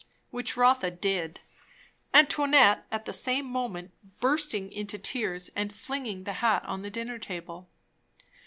Which Rotha did, Antoinette at the same moment bursting into tears and flinging the hat on the dinner table.